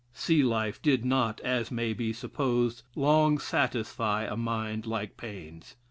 Sea life did not, as may be supposed, long satisfy a mind like Paine's.